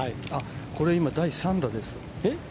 これ、今、第３打です。